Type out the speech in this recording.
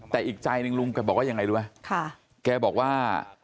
แต่อีกใจหนึ่งลุงแกบอกว่ายังไงรู้ไหมแกบอกว่า